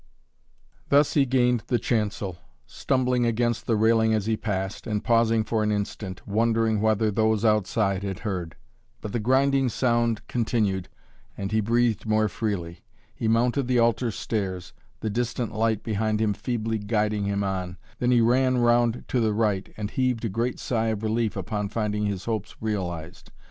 Thus he gained the chancel, stumbling against the railing as he passed, and pausing for an instant, wondering whether those outside had heard. But the grinding sound continued and he breathed more freely. He mounted the altar stairs, the distant light behind him feebly guiding him on, then he ran round to the right and heaved a great sigh of relief upon finding his hopes realized.